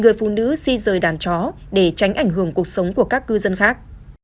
chứ di rời đàn chó để tránh ảnh hưởng cuộc sống của các cư dân khác